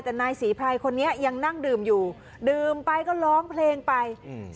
แต่นายศรีไพรคนนี้ยังนั่งดื่มอยู่ดื่มไปก็ร้องเพลงไปอืม